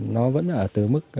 nó vẫn ở từ mức